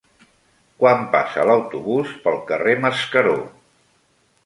Quan passa l'autobús pel carrer Mascaró?